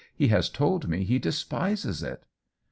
"He has told me he despises it."